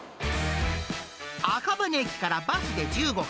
赤羽駅からバスで１５分。